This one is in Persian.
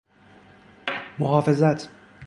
محافظت